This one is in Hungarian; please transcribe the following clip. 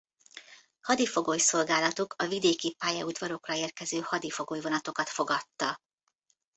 Hadifogoly-szolgálatuk a vidéki pályaudvarokra érkező hadifogoly-vonatokat fogadta.